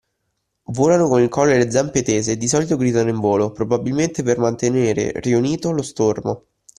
Volano con il collo e le zampe tese e di solito gridano in volo, probabilmente per mantenere riunito lo stormo.